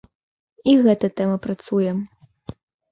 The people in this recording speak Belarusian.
І гэта тэма працуе.